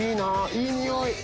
いい匂い！